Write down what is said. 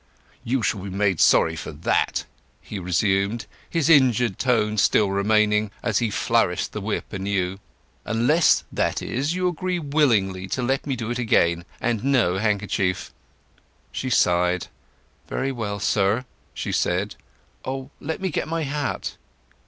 "You shall be made sorry for that!" he resumed, his injured tone still remaining, as he flourished the whip anew. "Unless, that is, you agree willingly to let me do it again, and no handkerchief." She sighed. "Very well, sir!" she said. "Oh—let me get my hat!"